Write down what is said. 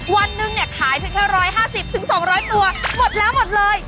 วันหนึ่งเนี่ยขายเพียงแค่๑๕๐๒๐๐ตัวหมดแล้วหมดเลย